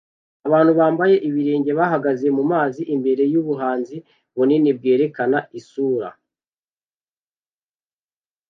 Abantu bambaye ibirenge bahagaze mumazi imbere yubuhanzi bunini bwerekana isura